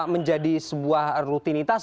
menjadi sebuah rutinitas